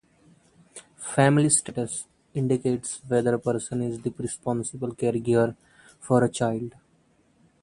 "Family status" indicates whether a person is the responsible caregiver for a child.